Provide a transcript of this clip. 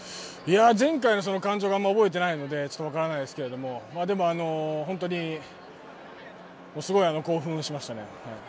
前回の感情があまり覚えてないのでちょっとわからないですけどでも、本当にすごい興奮しましたね。